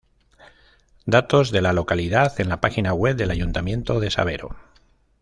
Datos de la localidad en la página web del ayuntamiento de Sabero.